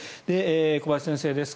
小林先生です。